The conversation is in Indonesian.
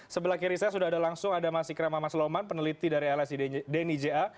sebelah kiri saya sudah ada langsung ada mas ikram amasloman peneliti dari lsdn ija